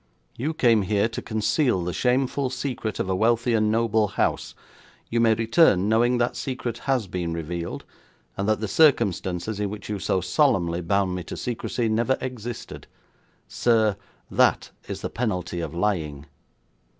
You came here to conceal the shameful secret of a wealthy and noble house; you may return knowing that secret has been revealed, and that the circumstances in which you so solemnly bound me to secrecy never existed. Sir, that is the penalty of lying.'